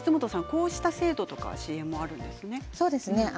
こうした制度の支援もあるんですね。